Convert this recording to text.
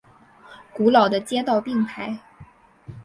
古老的街道并排。